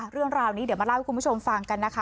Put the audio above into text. เรื่องราวนี้เดี๋ยวมาเล่าให้คุณผู้ชมฟังกันนะคะ